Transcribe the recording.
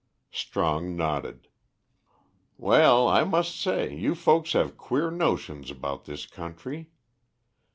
Strong nodded. "Well, I must say you folks have queer notions about this country.